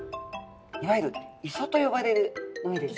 いわゆる磯と呼ばれる海ですね。